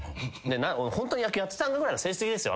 俺ホントに野球やってたんだぐらいの成績ですよ。